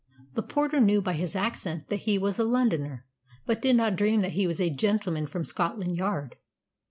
The porter knew by his accent that he was a Londoner, but did not dream that he was "a gentleman from Scotland Yard."